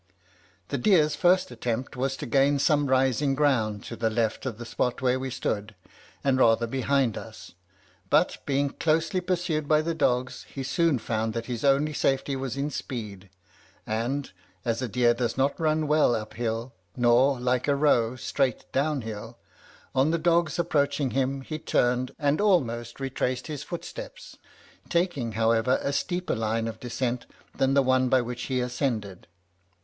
"The deer's first attempt was to gain some rising ground to the left of the spot where we stood, and rather behind us, but, being closely pursued by the dogs, he soon found that his only safety was in speed; and (as a deer does not run well up hill, nor like a roe, straight down hill) on the dogs approaching him, he turned, and almost retraced his footsteps, taking, however, a steeper line of descent than the one by which he ascended.